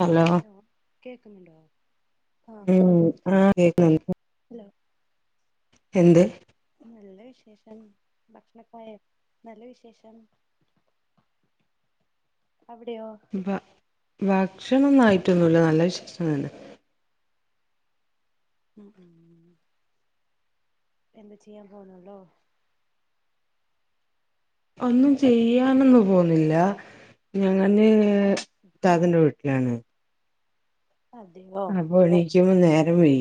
Hello കേക്കുന്നുണ്ടോ ആഹ് മ് ആഹ് കേക്ക്ണ് ഹലോ എന്ത് നല്ല വിശേഷം ഭക്ഷണൊക്കായോ നല്ല വിശേഷം അവിടെയോ ഭ ഭക്ഷണൊന്നായിട്ടൊന്നു നല്ല വിശേഷം തന്നെ മ് എന്ത ചെയ്യാ പോണൊല്ലോ ഒന്നും ചെയ്യാനൊന്നു പോവുന്നില്ല ഞാന് ആഹ് താതന്റെ വീട്ട്ലാണ് അതെ അപ്പൊ എണിക്കുമ്പ നേരം വൈ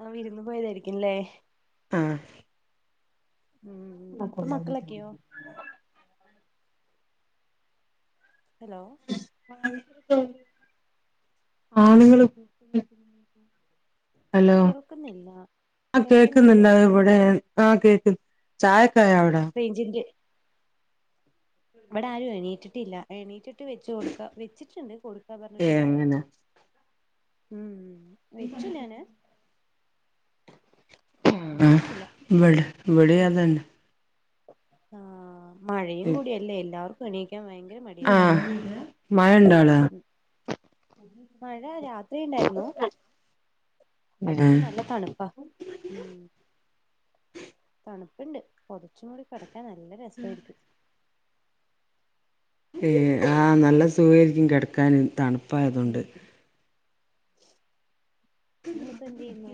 ആ വിരുന്ന് പോയതായിരിക്കുംല്ലേ ആഹ് മ് അപ്പൊ മക്കളൊക്കെയോ ഹലോ ആണ്ങ്ങള് ഹലോ കേൾക്കുന്നില്ല ആ കേക്കുന്നില്ല കേൾക്കുന്നുണ്ടോ ഏ ആഹ കേക്ക് ചായക്കായ വിടെ റേഞ്ച്ൻറ്റെ വിടാരും എണീറ്റിട്ടില്ല എണീറ്റിട്ട് വെച്ച് കൊടുക്കാ വെച്ചിട്ടുണ്ട് കൊടുക്കാ പറഞ്ഞിട്ടി ഏഹ് ഇരിക്ക അങ്ങനെ മ് വെച്ചു ഞാന് അല്ലാഹ് എണീറ്റിട്ടില്ല വടെ വെടി ഉം അതന്നെ ആഹ് മഴയും കൂടി അല്ലേ എല്ലാവർക്കും എണീക്കാൻ ഭയങ്കര മ ആഹ് മായണ്ടോടെ ഉം മഴ രാത്രിണ്ടായിരുന്നു ഏഹ് അതിന്റെ നല്ല തണുപ്പാ മ് തണുപ്പുണ്ട് പൊതച്ച് മൂടി കെടക്കാൻ നല്ല രസായിരിക്കും ഏ ആഹ് നല്ല സുഖയിരിക്കും കെടക്കാൻ ഉം തണുപ്പായതോണ്ട് നിങ്ങളിപ്പോ എന്തേയ്യുന്നു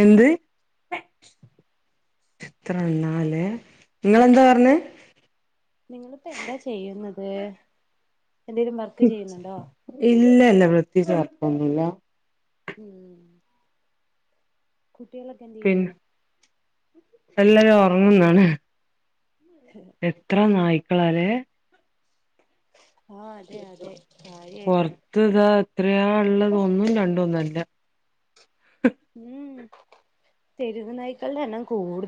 എന്ത്? എത്രണ്ണല്ലേ ങ്ങളെന്താ പറഞ്ഞ നിങ്ങളിപ്പോ എന്താ ചെയ്യുന്നത് എന്തെലും വർക്ക് ചെയ്യുന്നുണ്ടോ ഇല്ല ല്ല പ്രതേയ്ച് വർക്കൊന്നുല്ല മ് കുട്ട്യാളൊക്കെ എന്തേയ്യുന്നു എല്ലരും ഒർങ്ന്ന് [inaudible] എത്ര നായ്ക്കളാലേ ആഹ് അതെ അതെ കാര്യയായിട്ട് താ എത്രയാള്ള ഒന്നും രണ്ടൊന്നുല്ല മ് തെരുവ് നായ്ക്കൾടെ ണ്ണം കൂടു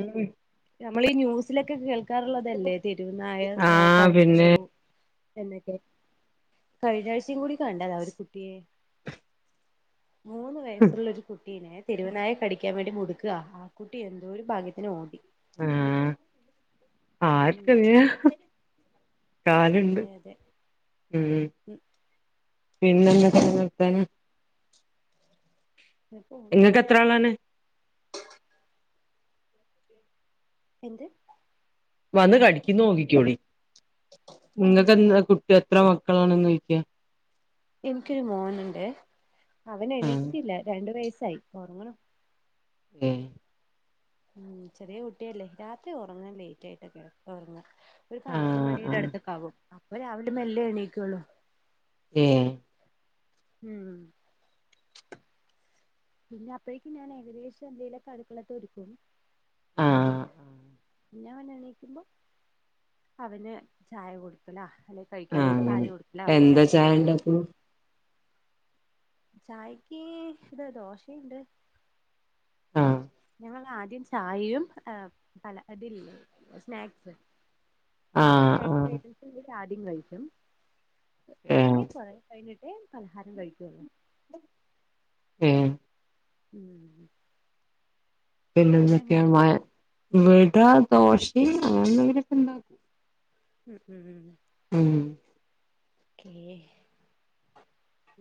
മ് നമ്മളീ ന്യൂസിലൊക്കെ കേൾക്കാറുള്ളതല്ലേ തെരുവനായ ആഹ് പിന്നെ കടിച്ചു എന്നൊക്കെ കഴിഞ്ഞ ആഴ്ച്ചീ കൂടി കണ്ടതാ ഒരു കുട്ടിയെ മൂന്ന് വയസ്സുള്ളരു കുട്ടീനെ തെരുവനായ കടിക്കാൻ വേണ്ടി മുട്ക്ക ആ കുട്ടി എന്തോ രു ഭാഗ്യത്തിന് ഓടി ആ ഉം ആർക്കെന്തിനാ കാല്ണ്ട് അതെ അതെ ഉം പിന്നൊന്തെക്കെ വർത്താനം ഉം പോണു ഇങ്ങക്ക് എത്ര ആളാണ്? എന്ത്? വന്ന് കടിക്കുന്നോക്കിക്കോളി ങ്ങക്ക് എന്താ കുട്ടി എത്ര മക്കളാണെന്ന് ചോയിക്കാ എനിക്കൊരു മോന് ണ്ട് അവന് ആഹ് എണീറ്റിട്ടില്ല രണ്ടു വയസ്സായി ഒറങ്ങു ണു മ്മ് ഉം ചെറിയ കുട്ടിയല്ലേ രാത്രി ഉറങ്ങാൻ ലേറ്റ് ആയിട്ടേ കിട ഒർങ്ങ ഒരു പന്ത്രണ്ട് ആഹ് മണിയുടെ ആഹ് അടുത്തൊക്കാകും അപ്പൊ രാവിലെ മെല്ലെ എണീക്കുള്ളൂ ഏ മ്മ് പിന്നെ അപ്പഴേക്കും ഞാൻ ഏകദേശം എന്തെലൊക്കെ അടുക്കളേത്തെ എടുക്കും ആഹ് പിന്നെ അവന് എണീക്കുമ്പോ അവന് ചായ കൊടുക്കല അല്ലെ കഴിക്കാൻ ആഹ് കൊട് അങ്ങനെ പാല് കൊടുക്കലോ എന്താ കഴിക്കാൻ കൊടുക്കലൊക്കെ ചായണ്ടാക്ക്ണു ചെയ്യും ചായക്കീ ഇത് ദോശയുണ്ട് ആഹ് മ്മള് ആദ്യം ഛായയും എ പല അതില്ലേ സ്നാക്സ് ആ ആഹ് സ്നാക്സ് ആഹ് ഐറ്റംസ് ആദ്യം കഴിക്കും ഏഹ് പിന്നെ കൊറേ കഴിഞ്ഞി ട്ടേ പലഹാരം കഴിക്കുള്ളു ഏ ഉം പിന്നെ അവിടെ ന്തൊക്കെയാ എങ്ങനെയാ മയ വിടാ ദോശയിം അങ്ങന എന്തെങ്കിലൊക്ക ണ്ടാക്കും ഉം ഉം ഉം കേ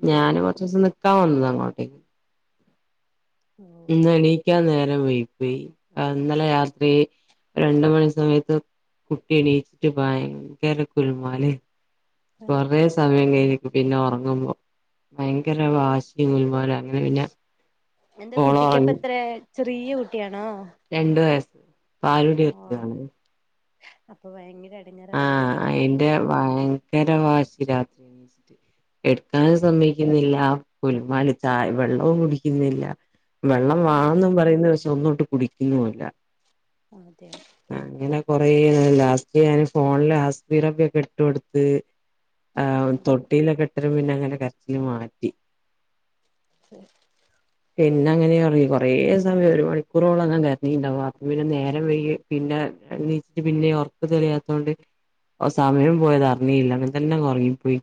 ഞാൻ കൊറച്ചീ സം നിക്കാൻ വന്നതാ ഇങ്ങോട്ടേക്ക് ഓ ഇന്ന് എണീക്കാൻ നേരം വൈകി പോയി ആ ഇന്നലെ രാത്രി രണ്ട് മണി സമയത്ത് കുട്ടി എണീച്ചിട്ട് ഭയങ്കര കുലുമാല് കൊറേ സമയം കഴിഞ്ക് പിന്നെ ഒറങ്ങുമ്പോ ഭയങ്കര വാശി പ്പീ കുൽമാല് അങ്ങനെ പിന്ന എന്താ ഓള് കുട്ടിക്കപ്പ ഒറങ്ങി എത്ര ചെറിയ കുട്ടിയാണോ? രണ്ടു വയസ്സ് പാലൂടി ഓ നിർത്തിയതാണ് അപ്പൊ ഭയങ്കര എടങ്ങേറാവുല്ലോ ആഹ് കുട്ടി അയിന്റെ ഭയങ്കര വാശി രാത്രി എണീച്ചിട്ട് എടുക്കാനും സമ്മയികുന്നില്ല ഗുലുമാല് ചായ വെള്ളോം കുടിക്കുന്നില്ല വെള്ളം ഉം വാണന്ന് പറയുന്ന് പക്ഷെ ഒന്നോട്ട് കുടിക്കുന്നുല്ല ഒന്ന് തെ അങ്ങനെ കൊറേ നേരം ലാസ്റ്റ് ഞാന് ഫോണില് ഹസ്ബിറബിയോക്കെ ഇട്ടു കൊടുത്ത് ആ തൊട്ടിയി ലൊകെട്ടരം പിന്നെ അങ്ങനെ കരച്ചില് മാറ്റി ശെ പിന്നെ അങ്ങനെ ഒറങ്ങി കുറേ സമയം ഒരു മണിക്കൂറോളം അങ്ങനെ കരഞീണ്ടാവും അപ്പോ പിന്നെ നേരം വൈകി പിന്നെ എണീച്ചിട്ട് പിന്നെ ഉറക്കം തെളിയാ ത്തോണ്ട് സമയം പോയത് അറിഞ്ഞില്ല അങ്ങനെ തന്നെ ഉറങ്ങിപ്പോയി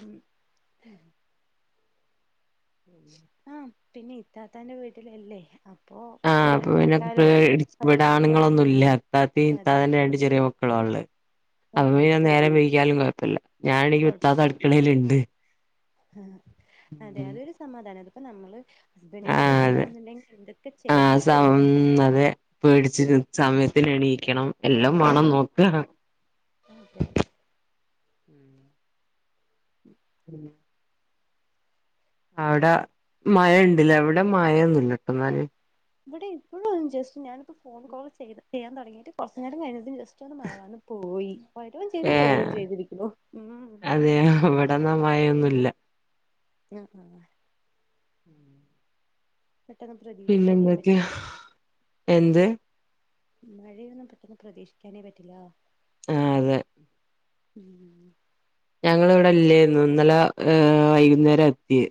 ഉം ഉം ആഹ് പിന്നെ ഇത്താത്തന്റെ വീട്ടിലല്ലേ അപ്പൊ കുറച്ചു നേരം കിടക്കാലോ ഇവിട ആണുങ്ങളൊന്നും ഇല്ല ഇത്താത്തെയും അതെ ഇത്താത്താന്റെ രണ്ട് ചെറിയ മക്കളും ഉള്ളെ ആഹ് അഥവാ ആഹ് ഞാൻ നേരം വൈകിയാലും കുഴപ്പ ഇല്ല ഞാൻ എണീക്കുമ്പോ ഇത്താത്ത കൊഴപ്പല്ല അടുക്കളയിലുണ്ട് ആഹ് അതെ അതൊരു സമാധാന അതിപ്പോ നമ്മള് ഹസ്ബൻഡിന്റെ ആഹ് അതെ വീട്ടിലാണെന്നുണ്ടെങ്കിൽ എന്തൊക്കെ ചെയ്യണം ആഹ് സമം അതെ പേടിച്ചിട്ട് സമയം ത്തിന് എണീക്കണം എല്ലം വേണം നോക്ക അതെ അതെ ഉം [inaudible] [inaudible] അവിടെ മഴ ഉണ്ട്ല്ലേ ഇവിടെ മഴയൊന്നുല്ലട്ടോ എന്നാല് ഇവിടെ ഇപ്പോഴും ജെസ്റ്റ് ഞാനിപ്പോ ഫോൺ കോള് ചെയ്ത് ചെയ്യാൻ തുടങ്ങിട്ട് കുറച്ച് നേരം കഴിഞ്ഞതും ജെസ്റ്റ് റ്റോന്ന് മഴ വന്ന് പോയി വരും ചെയ്തു പോവും ഏഹ് ചെയ്തിരിക്കുന്നു ഉം അതെയോ ഇവിടൊന്നും മഴയൊന്നും ഇല്ല [unintelligible] [inaudible] പെട്ടെന്ന് പിന്നെ പ്രതീക്ഷിക്കാനെ എന്തൊക്കെയാ പറ്റില്ല എന്ത് മഴയൊന്നും പെട്ടെന്ന് പ്രതീക്ഷിക്കാനേ പറ്റില്ലാ ആഹ് അതെ ഉം ഞങ്ങള് ഇവിടെ ഇല്ലാരുന്നു ഇന്നലെ വൈകുന്നേരാ എത്തിയെ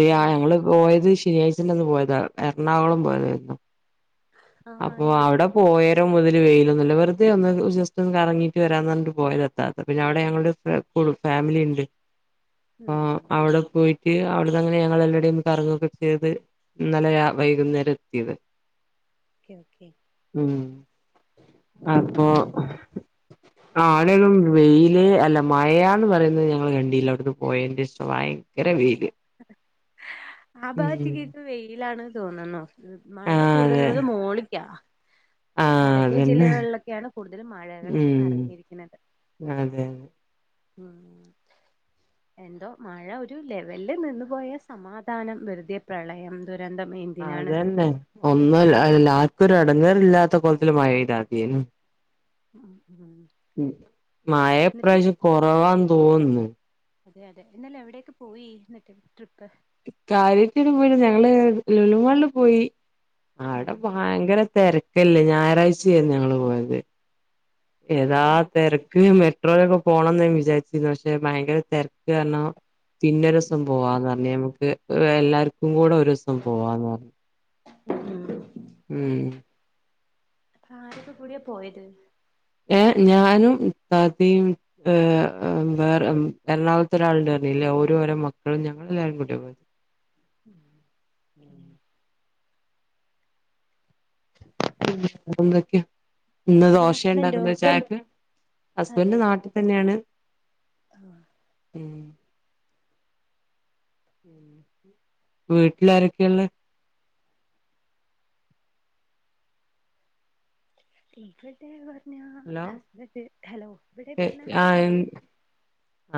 ഉം ഉം ഞങ്ങള് പോയത് ശനിയാഴ്ചന്റെന്ന് പോയതാ എറണാകുളം പോയതായിരുന്നു ആഹ് അപ്പൊ എന്ത് പറ്റി അവിടെ പോയ മുതല് വെയിലൊന്നും ഇല്ല വെറുതെ ഒന്ന് ഒരു ജെസ്റ്റ് ഒന്ന് കറങ്ങിട്ട് വരാന്ന് പറഞ്ഞിട്ട് പോയതാ താത്ത പിന്നെ അവിടെ ഞങ്ങളരു [unintelligible] ഫാമിലി ഉണ്ട് ഉം ആഹ് അവിടെ പോയി റ്റ് അവിടുന്നിങ്ങനെ ഞങ്ങള് എല്ലാടോ കറങ്ങിയൊക്കെ ചെയ്ത് ഇന്നലയാ വൈകുന്നേരം എത്തിയത് ഓക്കെ ഓക്കെ ഉം അപ്പൊ [unintelligible] വെയില് അല്ല മഴയാന്ന് പറയുന്നത് ഞങ്ങള് കണ്ട് [unintelligible] പോയെന്റെ ഭയങ്കര വെയില് [inaudible] ആ ഉം ഭാഗത്തിക്ക് ഇപ്പ വെയിലാണ് തോന്നുന്നൂ മഴ ആഹ് അതെ കൂടുതലുള്ളത് മോളിക്കാ ആഹ് വടക്കേ അതന്നെ ജില്ലകളിലൊക്കെയാണ് കൂടതലും മഴകള് പറഞ്ഞിരിക്കണത് അതെയൊ ഉം എന്തോ മഴ ഒരു ലെവലില് നിന്ന് പോയ സമാധാനം വെറുതെ പ്രളയം ദുരന്തം [unintelligible] അതന്നെ ഒന്നു അല്ല ആർക്കും ഒരു എടങ്ങേറില്ലാത്ത കോലത്തില് മഴ പെയ്താ മതിയാരുന്നു ഉം ഉം ഉം മയ എന്നിട്ട് ഇപ്രാവശ്യം കൊറവാന്ന് തോനുന്നു അതെ അതെ ഇന്നലെ എവിടെയെക്കെ പോയി ഇന്നിട്ട് ട്രിപ്പ് കാര്യത്തില് പോയത് ഞങ്ങള് ലുലുമാളില് പോയി ഉം അവിടെ ഭയങ്കര തെരക്കല്ലേ ഞായറാഴ്ച്ചേര്ന്നു ഞങ്ങള് പോയത് യതാ ഉം തെരക്ക് മെട്രോലൊക്ക പോണംന്ന് വിചാരിച്ചിരിന്നാ പക്ഷെ ഭയങ്കര തെരക്ക് കാരണം പിന്നൊരുസം പോവാന്നർഞ്ഞ് നമുക്ക് എല്ലാർക്കും കൂടെ ഒരുസ് പോവാന്നർഞ്ഞ് ഉം അപ്പ ആരൊക്കെ കൂടിയാ പോയത് ഏഹ് ഞാനും ഇത്താത്തിം ഏഹ് വേറെ ഉം എർണാകൊളത്ത് ഒരാള്ണ്ട്ർഞ്ഞിലെ ഓരും ഓര മക്കളും ഞങ്ങളല്ലാരും കൂട്ടി പോ ഉം ഉം പിന്ന എന്തക്കേ ഇന്ന് പിന്നെ ദോശേ ഹസ്ബൻഡോ ഇണ്ടാക്ക്ന്ന് ചായക്ക് ഹസ്ബൻഡ് നാട്ടി തന്നെണ് ആ ഹ് ഉം വീട്ടിലാരക്കേ ഇള്ളേ ഇവിടെ പറഞ്ഞ ഹലോ ഹസ്ബെന്റ് ഹലോ ഇവിടെ പറഞ്ഞ ഹസ്ബെന്റ് ആഹ്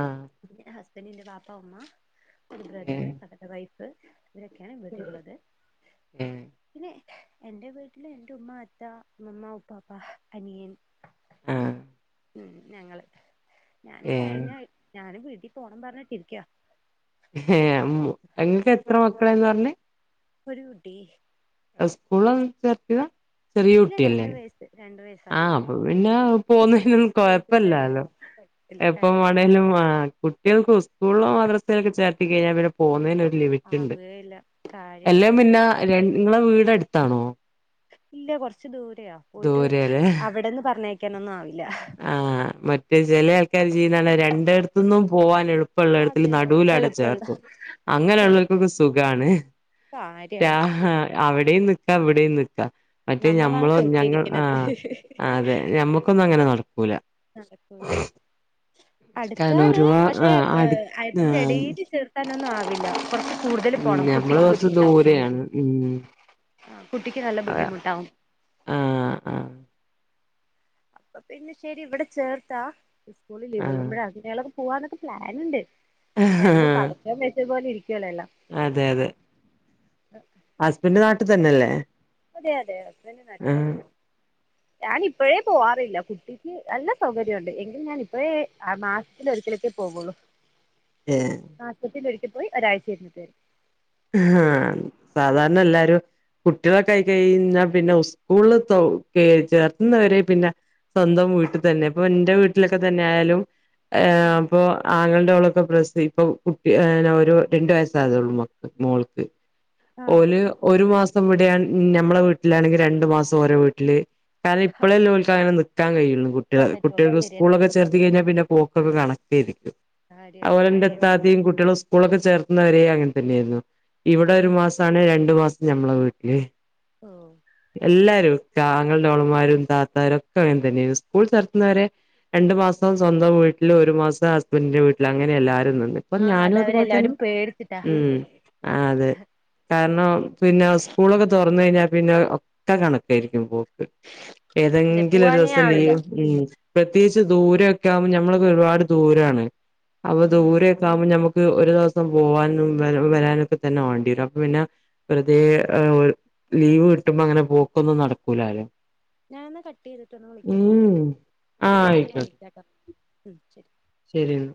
ആഹ് പിന്നെ ഹസ്ബെന്റിന്റെ ബാപ്പ ഉമ്മ ഒരു ബ്രദറ് ഏഹ് അവരുടെ വൈഫ് ഇവരൊക്കെയാണ് ഇവിടിള്ളത് ഏഹ് പിന്നെ എന്റെ വീട്ട്ല് എന്റെ ഉമ്മ അത്ത ഇമ്മമ്മ ഉപ്പാപ്പ അനിയൻ ആഹ് ഉം ഞങ്ങള് ഞാന് ഏഹ് കഴിഞ്ഞ ആഴ് ഞാന് വീട്ടി പോണം പറഞ്ഞിട്ടിരിക്ക ഹേ ഉം ഇങ്ങക്ക് എത്ര മക്കളാന്നാ പറഞ്ഞേ ഒരു കുട്ടി ഇസ്കൂളൊന്ന് ചേർത്തിതാ ഇല്ല രണ്ട് വയസ്സ് രണ്ട് വയ ആഹ് അപ്പൊ പിന്നെ പോവുന്നേനൊന്നും പോയിട്ട് വരാൻ കൊഴപ്പല്ലാല്ലോ പറ്റില്ല എപ്പം കാര്യാണ് വാണേലും ആഹ് കുട്ടേൾക്ക് സ്കൂളോ മദ്രസെലൊക്കെ ചേർത്തി കഴിഞ്ഞാ പിന്നെ പോവുന്നേന് ഒരു ലിമിറ്റ്ണ്ട് ആവുകയില്ല കാര്യാണ് എല്ലാം പിന്നെ ര നിങ്ങളെ വീട് അട്ത്താണോ ഇല്ല കൊറച്ച് ദൂരയാ പോയിട്ട് ദൂരെല്ലേ അവിടെന്ന് പറഞ്ഞയക്കാനൊന്നും ആവില്ല ആഹ് മറ്റേ ചെലെ ആൾക്കാര് ച്ചിയ്യുന്നതാണ് രണ്ടേട്ത്തുന്നും പോവാൻ എളുപ്പള്ളടത്തിൽ അതെ നടുവിലാടെ എളുപ്പള്ള ചേർത്തും അങ്ങനെ ചെറുതും ഇള്ളോൽക്കൊക്ക സുഖാണ് കാര്യാണ് അവിടെം നിക്ക ഇവിടെം നിക്കാം മറ്റേ നമ്മളാണ് ഞമ്മളോ ഞങ്ങ പെട്ടിരിക്കണത് ആഹ് അതെ ഞമ്മു ക്കൊന്നും അങ്ങനെ നടക്കൂല നടക്കൂല കാരണം അട്ത്താണ് ഒരുപാ പക്ഷെ ആ ഏഹ് അയത്തിന്റെ അടു എടേല് ചേർ ക്കാന്നൊന്നും ആവില്ല കൊറച്ച് കൂട്തല് ഉം പോണം ഞമ്മള് കുട്ടിക്ക് കൊറച്ച് ബുദ്ധിമുട്ടാവും ദൂരെയാണ് ഉം ആഹ് കുട്ടിക്ക് നല്ല അതെ ബുദ്ധിമുട്ടാവും ആഹ് ആഹ് അപ്പൊ പിന്നെ ശരി ഇവിടെ ചേർത്താ സ്കൂള് ആഹ് ലീവ്ള്ളുമ്പഴേ അതിനേളം പോവാനൊക്കെ പ്ലാൻ ഇണ്ട് എന്തോ ആഹ് പടച്ചോൻ വെച്ചതുപോലെ ഇരിക്കുവല്ലോ എല്ലാം അതെ അതെ ഏഹ് ഹസ്ബെന്റ് നാട്ടിലുണ്ടല്ലേ അതെയതെ ഹസ്ബെന്റ് നാട്ടി തന്നെയ ഞാനിപ്പഴേ പോവാറില്ല കുട്ടിക്ക് നല്ല സൗകര്യോണ്ട് എങ്കിൽ ഞാനിപ്പഴേ ആ മാസ് സത്തിലൊരിക്കലൊക്കെ പോവള്ളൂ ഏഹ് മാസത്തിൽ ഒരിക്കൽ പോയി ഒരാഴ്ച കഴിഞ്ഞിട്ട് വരും ഹാ സാധാരണ എല്ലാരും കുട്ടികളൊക്കായി കഴിഞ്ഞാ പിന്നെ സ്കൂളില് തൊ ക്കെ ചേർത്തുന്നവരെ പിന്നെ സ്വന്തം വീട്ടിൽ തന്നെ ഇപ്പൊ ഇന്റെ വീട്ടിലൊക്കെ തന്നെ ആയാലും ഏഹ് ആഹ് അപ്പൊ ആങ്ങൾടെ ഓളൊക്കെ പ്രസവിപ്പൊ കുട്ടി ഒരു രണ്ടു വയസ്സായതേ ഉള്ളൂ മോ മോൾക്ക് ആഹ് ഓല് ഒരു മാസം ഇവിടെയ ഞമ്മളെ വീട്ടിലാണെങ്കി രണ്ടു മാസം ഓരെ വീട്ടില് കാരണം ഇപ്പളല്ലെ ഓൽക്ക് അങ്ങനെ നിക്കാൻ കഴിയുള്ളു കുട്ടിക ആക്കാൻ പറ്റുള്ളൂ കുട്ടികള് ശരിയന്നെ സ്കൂളൊക്കെ ചേർത്തി കഴിഞ്ഞാ പിന്നെ പോക്കൊക്കെ കണക്കേരിക്കും കാര്യാണ് അതുപോലെ ൻ്റെ കാര്യാണ് ഇത്താത്തിം കുട്ടികളും സ് സ്കൂളൊക്കെ ചേർത്തുന്നത്വരെ അങ്ങനെ തന്നെയായിരുന്നു ഇവിടെ ഒരു ആഹ് മാസാണെ രണ്ടു മാസം ഞമ്മളെ വീട്ടില് ഓഹ് എല്ലാരും ആങ്ങൾൻ്റെ ഓളമാരും താത്താരും ഒക്കെ അങ്ങനെ തന്നെയായിരുന്നു സ്കൂൾ ചേർത്തുന്നവരെ രണ്ടു മാസം സ്വന്തം വീട്ടില് ഒരു മാസം ഹസ്ബൻഡിന്റെ വീട്ടില് അങ്ങനെ എല്ലാവാരും നിന്ന് ഇപ്പൊ ഞാനും അതുപോലെ തന്നെ പേരുത്തിട്ടാ ഉം ആഹ് അതെ കാരണം പിന്നെ ഉസ്കൂളൊക്കെ തുറന്ന് കഴിഞ്ഞാ പിന്നെ ഒക്കെ കണക്കായിരിക്കും പോ അതെ ഏതെങ്കിലും ഒരു പോവാനേ ദിവസം ആവില്ല ലീവ് ഉം പ്രത്യേകിച്ച് ദൂരൊക്കെ ആകുമ്പോൾ ഞമ്മളൊക്കെ ഒരുപാട് ദൂരാണ് അപ്പൊ ഉം ദൂരെ ഇതാവുമ്പോം ഞമ്മക്ക് ഒരു ദിവസം പോവാനും വരാനൊക്കെ തന്നെ വാണ്ടി വരും അപ്പൊ പിന്നെ വേറുതേ ലീവ് കിട്ടുമ്പോ അങ്ങനെ പോക്കൊന്നും നടക്കൂലാലോ ഞാനൊന്ന് കട്ട് ചെയ്തിട്ട് ഒന്ന് വിളിക്കട്ടെ ഉം ആഹ് ഇപ്പ ആയിക്കോട്ടെ വിളിക്കാട്ടോ ഉം ശരി ശരി എന്ന